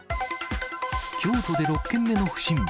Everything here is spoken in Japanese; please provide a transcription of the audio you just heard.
京都で６件目の不審火。